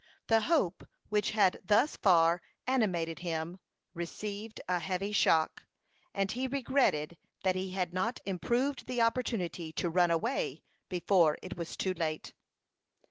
The hope which had thus far animated him received a heavy shock, and he regretted that he had not improved the opportunity to run away before it was too late.